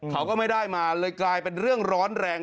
เขาก็ไม่ได้มาเลยกลายเป็นเรื่องร้อนแรง